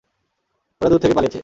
ওরা দূর থেকেই পালিয়েছে।